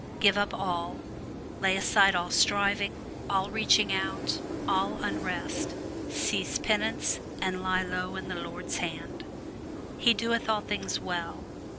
Give up all, lay aside all striving, all reaching out, all unrest, cease penance and lie low in the Lord's hand. He doeth all things well.